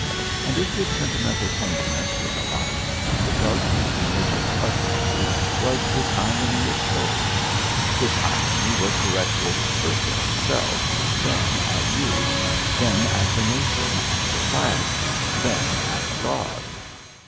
And if his sentimental tenderness was a light, the darkness in which it puzzled you was his irony of soul. This irony was directed first at himself; then at you; then at the nation and the flag; then at God.